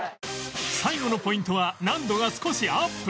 最後のポイントは難度が少しアップ